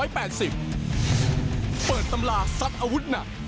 ตำราซัดอาวุธหนัก